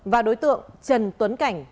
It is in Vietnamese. và đối tượng trần tuấn cảnh